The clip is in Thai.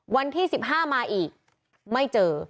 วันที่๑๕มาอีกไม่เจอ